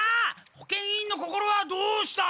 保健委員の心はどうした！